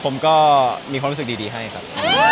ผมก็มารู้มัสภาพคลิกดีให้ครับ